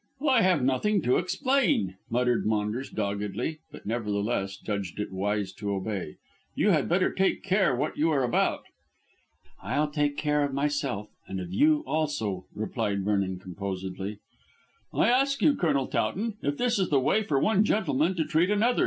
"I have nothing to explain," muttered Maunders doggedly, but nevertheless judged it wise to obey. "You had better take care what you are about." "I'll take care of myself and of you also," replied Vernon composedly. "I ask you, Colonel Towton, if this is the way for one gentleman to treat another?"